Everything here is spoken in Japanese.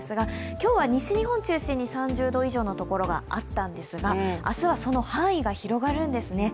今日は西日本を中心に３０度以上のところがあったんですが明日はその範囲が広がるんですね。